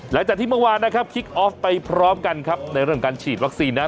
หลังจากที่เมื่อวานนะครับคิกออฟไปพร้อมกันครับในเรื่องการฉีดวัคซีนนะ